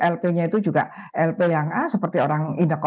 lp nya itu juga lp yang seperti orang indah kota